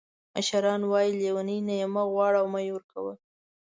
مشران وایي لیوني نه یې مه غواړه او مه یې ورکوه.